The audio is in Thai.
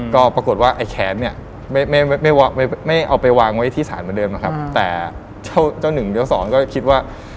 ก็ปรากฏว่าไอ้แขนเนี่ยไม่เอาไปวางไว้ที่ศาลเหมือนเดิมนะครับแต่เจ้าหนึ่งเดี๋ยวสอนก็คิดว่า